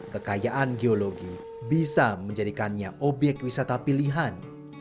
kekayaan geologi bisa menjadikannya obyek wisata pilihan